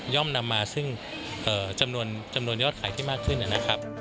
ย่อมนำมาซึ่งจำนวนยอดขายที่มากขึ้น